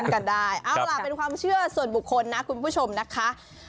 กันได้เอาล่ะเป็นความเชื่อส่วนบุคคลนะคุณผู้ชมนะคะ